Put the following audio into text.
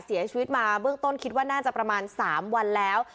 เสียชีวิตมาเบื้องต้นคิดว่าน่าจะประมาณ๓วันแล้ว